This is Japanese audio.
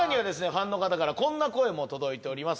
ファンの方からこんな声も届いております